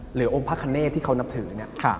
หรือโอมพระคะเนตร์ที่เขานับถือเนี่ย